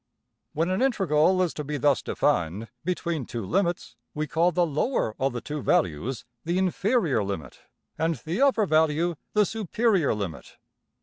When an integral is to be thus defined between two limits, we call the lower of the two values \emph{the inferior limit}, and the upper value \emph{the superior limit}.